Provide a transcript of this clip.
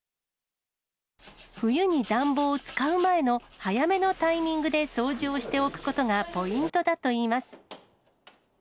冬に暖房を使う前の早めのタイミングで掃除をしておくことがポイントだといいます。